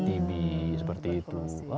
tb seperti itu